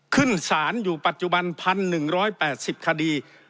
ขึ้นศาลอยู่ปัจจุบัน๑๑๘๐คดี